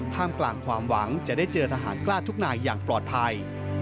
กลางความหวังจะได้เจอทหารกล้าทุกนายอย่างปลอดภัย